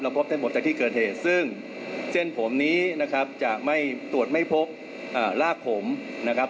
พบได้หมดจากที่เกิดเหตุซึ่งเส้นผมนี้นะครับจะไม่ตรวจไม่พบรากผมนะครับ